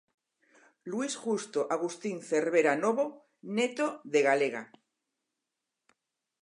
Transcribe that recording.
Luis Justo Agustín Cervera Novo, neto de galega.